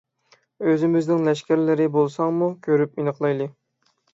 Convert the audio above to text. ئۆزىمىزنىڭ لەشكەرلىرى بولساڭمۇ، كۆرۈپ ئېنىقلايلى.